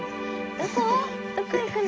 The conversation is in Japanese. ・どこ行くの？